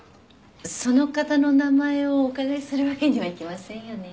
その方の名前をお伺いするわけにはいきませんよね。